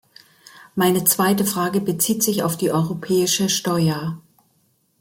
Meine zweite Frage bezieht sich auf die europäische Steuer.